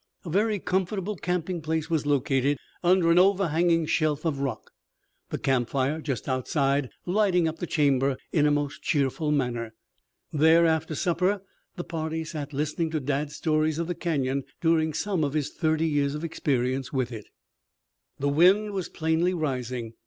A very comfortable camping place was located Under an overhanging shelf of rock, the camp fire just outside lighting up the chamber in a most cheerful manner. There after supper the party sat listening to Dad's stories of the Canyon during some of his thirty years' experience with it. The wind was plainly rising.